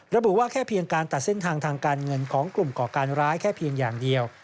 ระบุว่าแค่เพียงการตัดเส้นทางทางการเงินของกลุ่มก่อการร้ายแค่เพียงอย่างเดียว